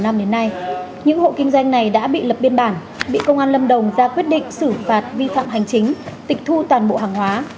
năm đến nay những hộ kinh doanh này đã bị lập biên bản bị công an lâm đồng ra quyết định xử phạt vi phạm hành chính tịch thu toàn bộ hàng hóa